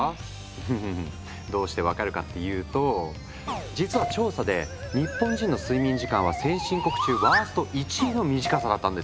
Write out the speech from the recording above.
うんうんうんどうして分かるかっていうと実は調査で日本人の睡眠時間は先進国中ワースト１位の短さだったんです。